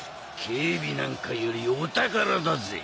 警備なんかよりお宝だぜ。